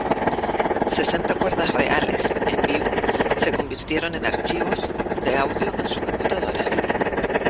Sesenta cuerdas reales, en vivo, se convirtieron en archivos de audio en su computadora.